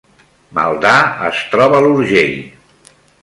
Maldà es troba a l’Urgell